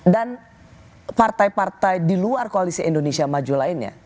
dan partai partai di luar koalisi indonesia maju lainnya